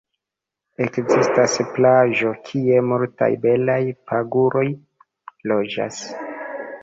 Ekzistas plaĝo kie multaj belaj paguroj loĝas.